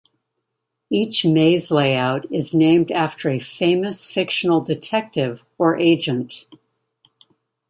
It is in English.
Each maze layout is named after a famous fictional detective or agent.